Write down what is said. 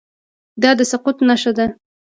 دا د سقوط نښه ده.